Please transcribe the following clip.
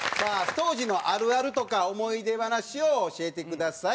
当時のあるあるとか思い出話を教えてください。